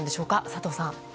佐藤さん。